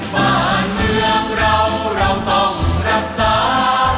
บ้านเมืองเราเราต้องรักษา